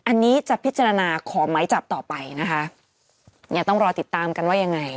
อันนี้จะพิจารณาขอไม้จับต่อไปนะคะเนี่ยต้องรอติดตามกันว่ายังไง